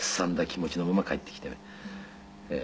気持ちのまま帰ってきて。